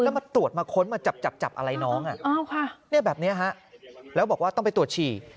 แล้วมาตรวจมาค้นมาจับจับอะไรน้องแบบนี้ฮะแล้วบอกว่าต้องไปตรวจฉี่